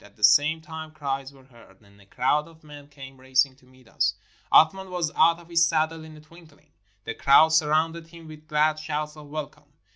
At the same time cries were heard, and a crowd of men came racing to meet us. Athman was out of his saddle in a twinkUng. The crowd surrounded him with glad shouts of welcome.